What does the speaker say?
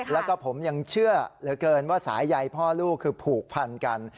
แล้วก็ผมยังเชื่อเหลือเกินว่าสายใยพ่อลูกคือผูกพันกัน